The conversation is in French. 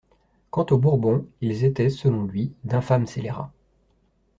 Quant aux Bourbons, ils étaient, selon lui, d'infâmes scélérats.